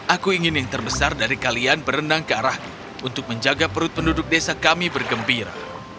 aku ingin yang terbesar dari kalian berenang ke arahku untuk menjaga perut penduduk desa kami bergembira